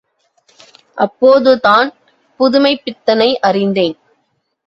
அப்போதுதான் புதுமைப்பித்தனை அறிந்தேன்.